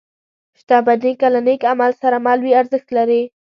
• شتمني که له نېک عمل سره مل وي، ارزښت لري.